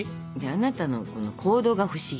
あなたの行動がフシギ。